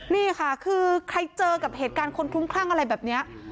นี่ค่ะคือใครเจอกับเหตุการณ์คนคลุ้มคลั่งอะไรแบบนี้